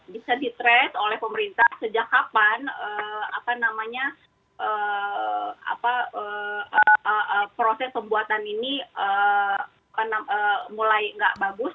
bisa di trace oleh pemerintah sejak kapan proses pembuatan ini mulai nggak bagus